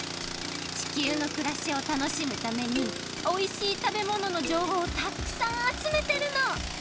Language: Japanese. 地球のくらしを楽しむためにおいしい食べもののじょうほうをたっくさんあつめてるの！